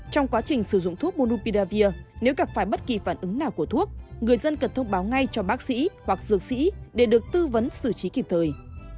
trong quá trình sử dụng thuốc munupidavir nếu gặp phải bất kỳ phản ứng nào của thuốc người dân cần thông báo ngay cho bác sĩ hoặc dược sĩ để được tư vấn xử trí kịp thời